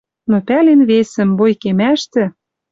Но пӓлен весӹм: бой кемӓштӹ